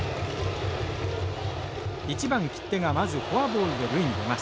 １番切手がまずフォアボールで塁に出ます。